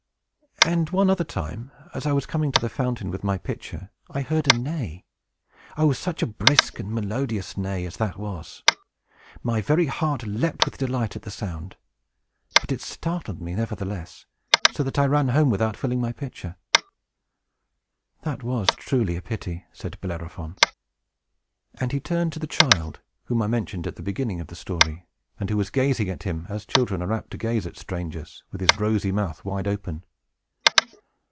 And one other time, as I was coming to the fountain with my pitcher, I heard a neigh. Oh, such a brisk and melodious neigh as that was! My very heart leaped with delight at the sound. But it startled me, nevertheless; so that I ran home without filling my pitcher." "That was truly a pity!" said Bellerophon. And he turned to the child, whom I mentioned at the beginning of the story, and who was gazing at him, as children are apt to gaze at strangers, with his rosy mouth wide open.